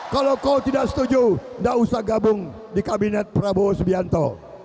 kalau kau tidak setuju tidak usah gabung di kabinet prabowo subianto